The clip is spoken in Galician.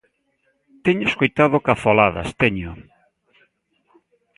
Teño escoitado cazoladas, teño.